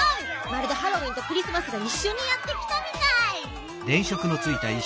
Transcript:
まるでハロウィーンとクリスマスがいっしょにやってきたみたい。